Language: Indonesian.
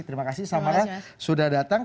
terima kasih samara sudah datang